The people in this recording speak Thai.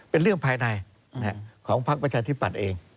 เป็นเรื่องภายในของพักประชาธิปัตย์เอง